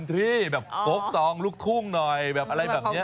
ที่แบบโฟกซองลูกทุ่งหน่อยแบบอะไรแบบนี้